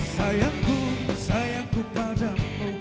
sayangku sayangku padamu